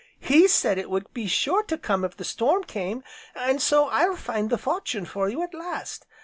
He said it would be sure to come if the storm came, an' so I'll find the fortune for you at last.